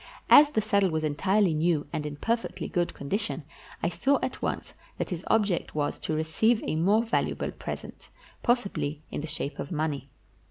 As the saddle was entirely new and 455 PERSIA in perfectly good condition, I saw at once that his object was to receive a more valuable present, possibly in the shape of money.